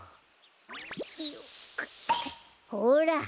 ほら。